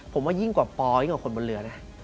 ผมว่ายิ่งกว่าปอยกว่าคนบนเรือนะ